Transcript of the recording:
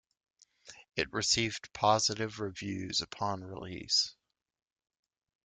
It received positive reviews upon release.